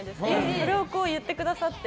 それを言ってくださって。